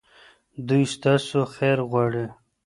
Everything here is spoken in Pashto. دوی ستاسو خیر غواړي.